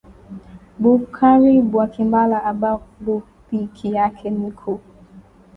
bukari bwa kimbala aba bupikiyake nkuku